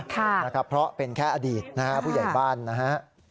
ค่ะนะครับเพราะเป็นแค่อดีตนะฮะผู้ใหญ่บ้านนะฮะ